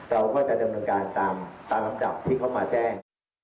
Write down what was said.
เราก็จะดำเนินการตามลำดับที่เขามาแจ้ง